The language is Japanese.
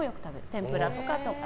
天ぷらとか。